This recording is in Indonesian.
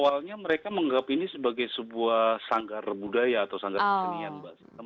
awalnya mereka menganggap ini sebagai sebuah sanggar budaya atau sanggar kesenian mbak